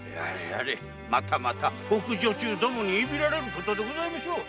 また奥女中どもにいびられることでございましょう。